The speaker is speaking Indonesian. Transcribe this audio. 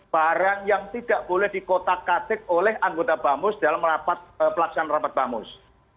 barang yang tidak boleh dikotak katik oleh anggota bamus dalam pelaksanaan rapat bamus